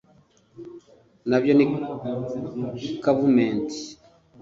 nabyo ni kavumenti :